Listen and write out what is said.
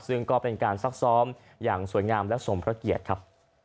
ซึ่งก็เป็นการซักซ้อมอย่างสวยงามและสมพระเกียรติครับ